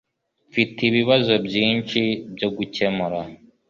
Mfite ibibazo byinshi byo gukemura.